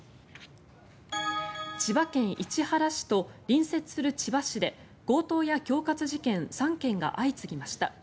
千葉県市原市と隣接する千葉市で強盗や恐喝事件３件が相次ぎました。